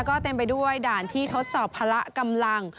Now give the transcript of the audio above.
ก็เต็มไปด้วยด่านที่ทดสอบพละกำลัง